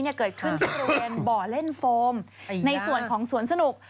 เกิดขึ้นที่บริเวณบ่อเล่นโฟมในส่วนของสวนสนุก